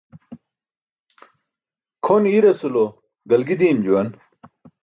Kʰon iirasulo galgi diim juwan.